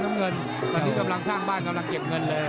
ถ้าเปล่านี้กำลังสร้างบ้านเจ็บเงินเลย